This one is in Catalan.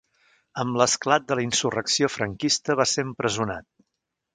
Amb l'esclat de la insurrecció franquista va ser empresonat.